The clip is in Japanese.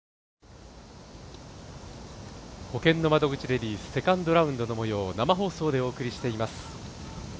レディースセカンドラウンドのもよう生放送でお送りしています。